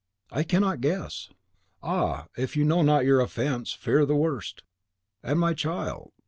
"I cannot guess." "Ah, if you know not your offence, fear the worst!" "And my child?"